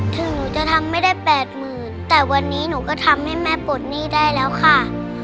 ถึงหนูจะทำไม่ได้แปดหมื่นแต่วันนี้หนูก็ทำให้แม่ปลดหนี้ได้แล้วค่ะ